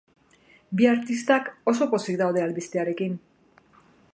Bi artistak oso pozik daude albistearekin.